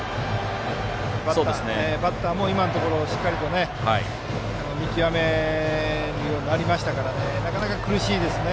バッターもしっかりと見極めるようになりましたからなかなか苦しいですね。